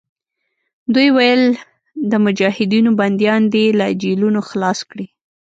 دوی ویل د مجاهدینو بندیان دې له جېلونو خلاص کړي.